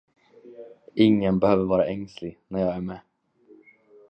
Ingen behöver vara ängslig när jag är med.